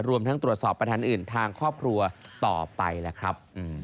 รวมทั้งตรวจสอบประธานอื่นทางครอบครัวต่อไปล่ะครับ